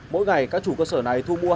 mỗi ngày các chủ cơ sở này thu mua phế liệu